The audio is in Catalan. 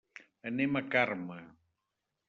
Anem a Carme.